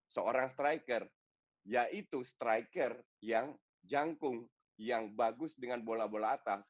seorang striker yaitu striker yang jangkung yang bagus dengan bola bola atas